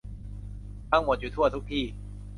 ทั้งหมดอยู่ทั่วทุกที่